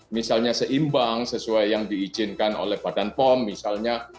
misalnya seimbang sesuai yang diizinkan oleh badan pom misalnya